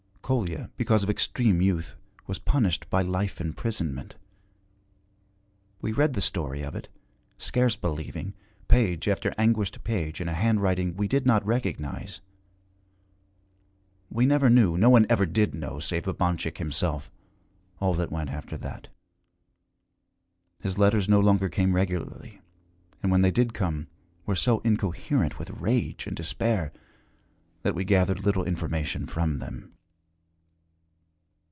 Kolya, because of extreme youth, was punished by life imprisonment. We read the story of it, scarce believing, page after anguished page in a handwriting we did not recognize. We never knew no one ever did know, save Babanchik himself all that went after that. His letters no longer came regularly, and, when they did come, were so incoherent with rage and despair that we gathered little information from them.